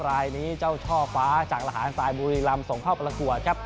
รายนี้เจ้าช่อฟ้าจากระหารสายบุรีรำส่งเข้าประกวดครับ